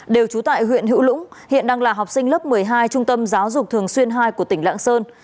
đều trú tại huyện hữu lũng hiện đang là học sinh lớp một mươi hai trung tâm giáo dục thường xuyên hai của tỉnh lạng sơn